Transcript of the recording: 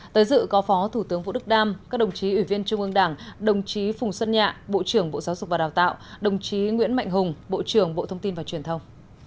tới dự có phó thủ tướng vũ đức đam các đồng chí ủy viên trung ương đảng đồng chí phùng xuân nhạ bộ trưởng bộ giáo dục và đào tạo đồng chí nguyễn mạnh hùng bộ trưởng bộ thông tin và truyền thông